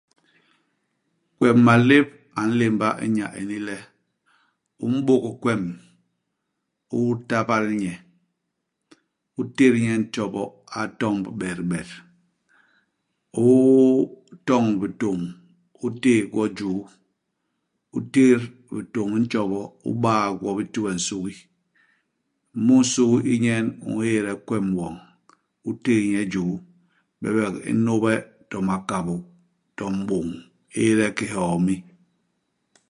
Kwem malép a nlémba inya ini le, u m'bôk kwem, u tabal nye, u tét nye i ntjobo, a tomb betbet. U toñ bitôñ, u téé gwo i juu. U tét bitôñ i ntjobo, u baa gwo bi ti we nsugi. Mu insugi u nyen u ñéde kwem woñ, u téé nye i juu. Bebek u n'nôbe to makabô, to m'bôñ ; u éde ki hiomi.